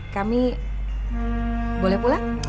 kami boleh pulang